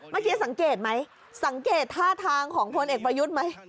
เมื่อกี้สังเกตไหมสังเกตท่าทางของพลเอกประยุทธ์ไหม